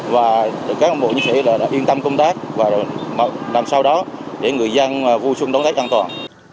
và các ông bộ chiến sĩ đã yên tâm công tác và làm sao đó để người dân vui xuân đón tết an toàn